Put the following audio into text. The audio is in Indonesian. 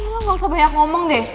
lo gak usah banyak ngomong deh